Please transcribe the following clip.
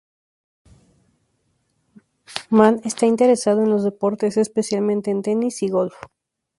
Mann está interesado en los deportes, especialmente en tenis y golf.